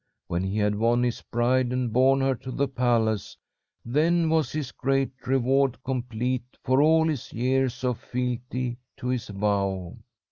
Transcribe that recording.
When he had won his bride and borne her to the palace, then was his great reward complete for all his years of fealty to his vow.